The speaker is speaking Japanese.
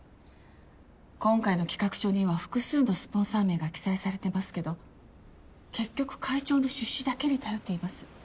今回の企画書には複数のスポンサー名が記載されてますけど結局会長の出資だけに頼っています。